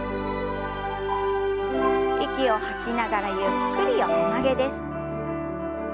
息を吐きながらゆっくり横曲げです。